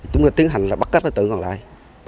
chúng tôi tiến hành là bắt các tên tử còn lại